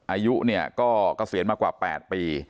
อายุเนี่ยก็เกษียณมากว่า๘ปี